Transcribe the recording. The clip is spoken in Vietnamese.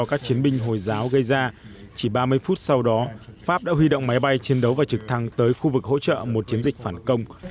các chiến binh hồi giáo gây ra chỉ ba mươi phút sau đó pháp đã huy động máy bay chiến đấu và trực thăng tới khu vực hỗ trợ một chiến dịch phản công